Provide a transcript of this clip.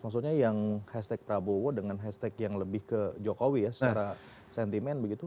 maksudnya yang hashtag prabowo dengan hashtag yang lebih ke jokowi ya secara sentimen begitu